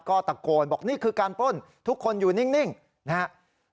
ก็ตะโกนบอกนี่คือการป้นทุกคนอยู่นิ่งนะครับ